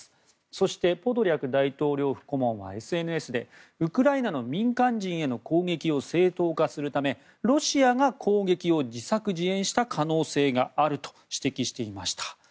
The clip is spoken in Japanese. そしてポドリャク大統領府顧問はＳＮＳでウクライナの民間人への攻撃を正当化するためロシアが攻撃を自作自演した可能性があると指摘していました。